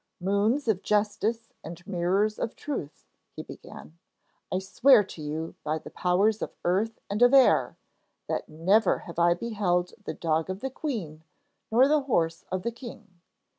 'Moons of justice and mirrors of truth,' he began. 'I swear to you by the powers of earth and of air that never have I beheld the dog of the queen nor the horse of the king.